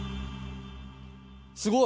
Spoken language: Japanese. すごい！